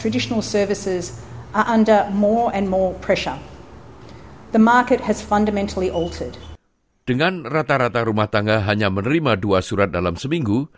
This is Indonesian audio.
dengan rata rata rumah tangga hanya menerima dua surat dalam seminggu